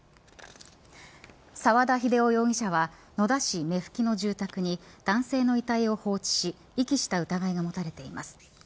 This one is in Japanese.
沢田秀穂容疑者は野田市目吹の住宅に男性の遺体を放置し遺棄した疑いが持たれています。